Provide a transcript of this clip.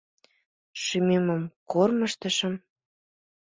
Шÿмемым кормыжтышым –